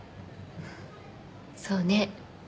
そうね。